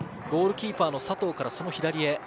ゴールキーパーの佐藤から左へ。